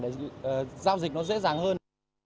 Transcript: để giao dịch nó dễ dàng hơn